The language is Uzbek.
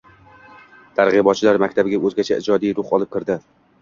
Targ‘ibotchilar maktabga o‘zgacha ijodiy ruh olib kirdi.